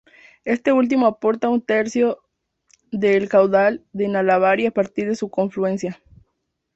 Este último aporta un tercio del caudal del Inambari a partir de su confluencia.